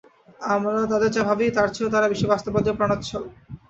আমরা তাদের যা ভাবি, তার চেয়েও তারা বেশি বাস্তববাদী ও প্রাণোচ্ছল।